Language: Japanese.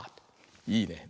いいね。